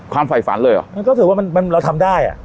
ความไฝฝันเลยอ่ะมันก็ถือว่ามันมันเราทำได้อ่ะ